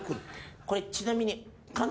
これちなみに。